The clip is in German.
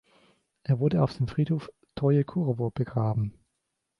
Er wurde auf dem Friedhof Trojekurowo begraben.